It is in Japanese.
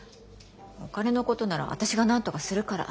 お金のことなら私がなんとかするから。